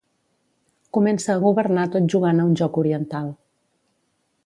Comença a governar tot jugant a un joc oriental.